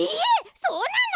そうなの？